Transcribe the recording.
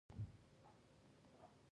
بهلول وویل: تاسو ټولو نه یوه پوښتنه کوم.